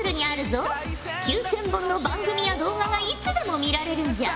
９，０００本の番組や動画がいつでも見られるんじゃ。